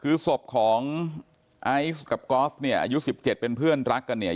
คือศพของไอซ์กับกอล์ฟเนี่ยอายุ๑๗เป็นเพื่อนรักกันเนี่ย